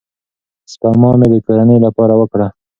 سپما مې د کورنۍ لپاره وکړه.